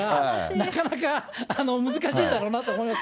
なかなか難しいんだろうなと思います。